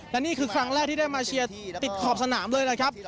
และนี่คือครั้งแรกที่ได้มาเชียร์ติดขอบสนามเลยนะครับ